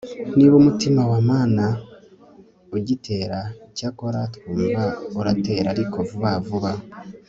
niba umutima wa mana ugitera icyakora twumva uratera ariko vuba vuba